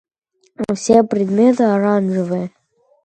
Все предметы оранжевые.